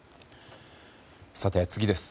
さて、次です。